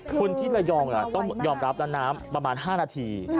คุณที่ระยองต้องยอมรับแล้วน้ำประมาณ๕นาที